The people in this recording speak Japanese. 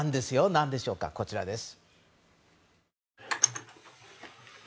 何でしょうか、こちらです。